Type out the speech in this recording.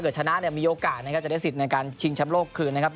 ก็กลับมาสู้อีกกันหนึ่งนะครับ